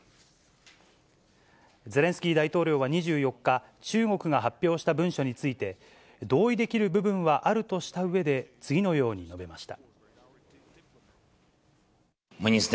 ゼレンスキー大統領は２４日、中国が発表した文書について、同意できる部分はあるとしたうえで、次のように述べました。